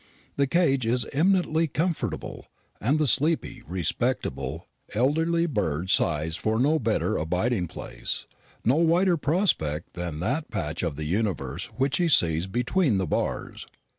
The cage is eminently comfortable, and the sleepy, respectable, elderly bird sighs for no better abiding place, no wider prospect than that patch of the universe which he sees between the bars.